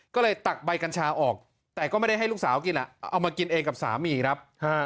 ก็เลยตักใบกัญชาออกแต่ก็ไม่ได้ให้ลูกสาวกินเอามากินเองกับสามีครับ